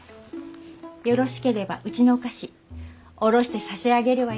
よろしければうちのお菓子卸して差し上げるわよ。